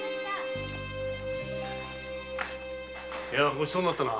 ごちそうになったな。